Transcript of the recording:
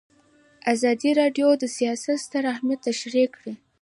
ازادي راډیو د سیاست ستر اهميت تشریح کړی.